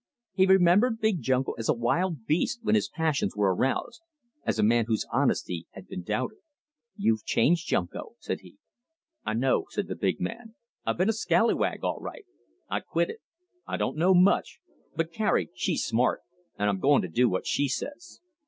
He remembered Big Junko as a wild beast when his passions were aroused, as a man whose honesty had been doubted. "You've changed, Junko," said he. "I know," said the big man. "I been a scalawag all right. I quit it. I don't know much, but Carrie she's smart, and I'm goin' to do what she says.